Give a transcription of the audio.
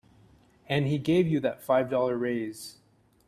And he gave you that five dollar raise.